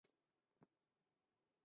在东京都长大。